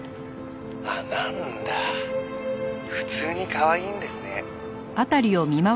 「あっなんだ普通にかわいいんですね」